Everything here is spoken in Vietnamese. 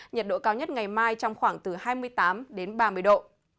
nhiệt độ cao nhất ngày mai trong khoảng từ hai mươi tám đến ba mươi độ